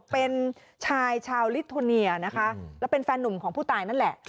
เป็นชายชาวลิโทเนียนะคะแล้วเป็นแฟนหนุ่มของผู้ตายนั่นแหละ